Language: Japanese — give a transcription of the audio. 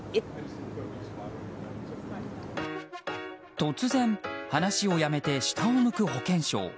突然、話をやめて下を向く保健相。